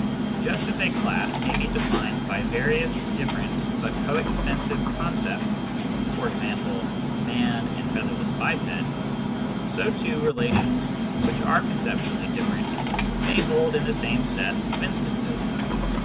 Just as a class may be defined by various different but co extensive concepts — e.g. " man " and " featherless biped," — so two relations which are conceptually different may hold in the same set of instances.